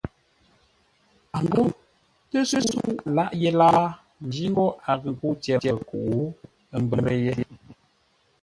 A ghó tə́səu a láʼ yé láa ńjí ńgó a ghʉ nkə́u tyer-ngənkuʼu, ə́ mbə́rə́ yé.